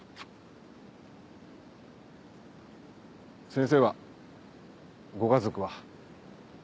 先生はご家族は？